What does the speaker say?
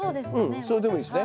それでもいいですね。